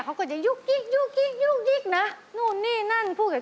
กลับมาฟังเพลง